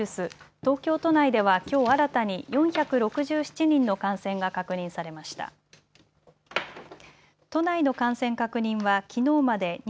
東京都内ではきょう新たに４６７人の感染が確認されました。